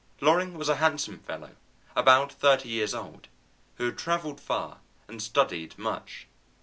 Loring was a handsome fellow about thirty years old, who had travelled far and studied much.